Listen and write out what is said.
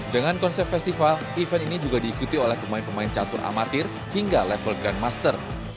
dengan konsep festival event ini juga diikuti oleh pemain pemain catur amatir hingga level grandmaster